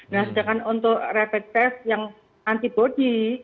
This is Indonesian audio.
nah sedangkan untuk tes yang anti bodi